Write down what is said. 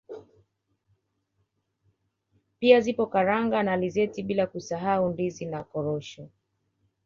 Pia zipo karanga na alizeti bila kusahau ndizi na korosho